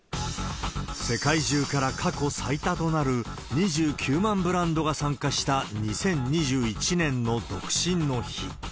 世界中から過去最多となる２９万ブランドが参加した２０２１年の独身の日。